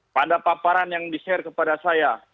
pada paparan yang di share kepada saya